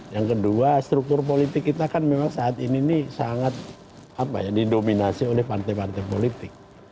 yang kedua struktur politik kita kan memang saat ini sangat didominasi oleh partai partai politik